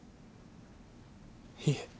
いいえ。